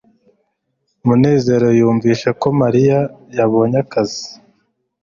munezero yumvise ko mariya yabonye akazi